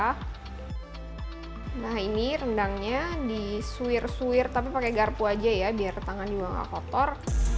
hai nah ini rendangnya di swir swir tapi pakai garpu aja ya biar tangan juga enggak kotor